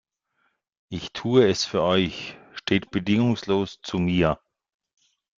Ich tue es für Euch, steht bedingungslos zu mir.